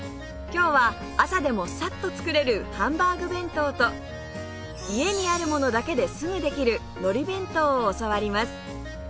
今日は朝でもさっと作れるハンバーグ弁当と家にあるものだけですぐできるのり弁当を教わります